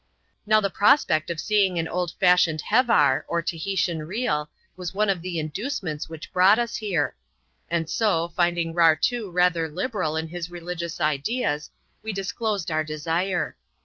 Now the prospect of seeing an old fashioned " hevar," or Tahitian reel, was one of the inducements which brought us here ; and so, finding Rartoo rather liberal in his religious ideas, we disclosed our desire.